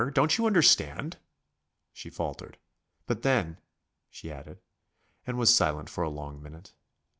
Don't you understand?" She faltered "but then...." she added, and was silent for a long minute.